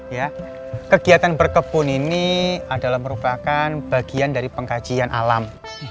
ya kegiatan berkebun ini adalah merupakan bagian dari pengkajian alam